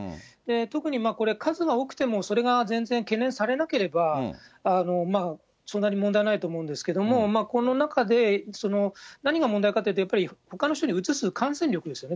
特にこれ、数が多くてもそれが全然懸念されなければ、そんなに問題ないと思うんですが、この中で、何が問題かというと、ほかの人にうつす感染力ですよね。